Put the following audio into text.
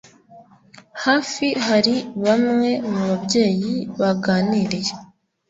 hafi hari bamwe mu babyeyi baganiriye